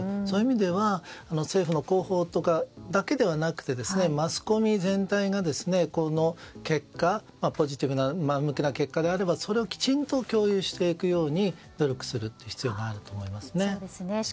そういう意味では政府の広報とかだけではなくてマスコミ全体がこのポジティブな結果があればそれをきちんと共有していくように努力する必要があると思いますね。